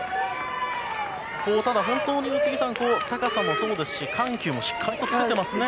宇津木さん、高さもそうですし緩急もしっかりとつけてますね。